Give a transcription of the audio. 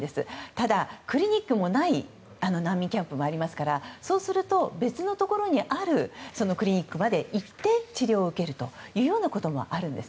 ただ、クリニックもない難民キャンプもありますからそうすると別のところにあるクリニックまで行って治療を受けることもあるんです。